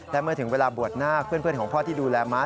และเมื่อถึงเวลาบวชหน้าเพื่อนของพ่อที่ดูแลม้า